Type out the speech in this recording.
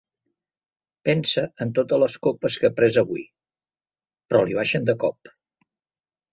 Pensa en totes les copes que ha pres avui, però li baixen de cop.